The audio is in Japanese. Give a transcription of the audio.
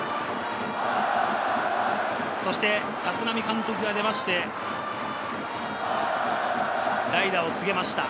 立浪監督が出まして、代打を告げました。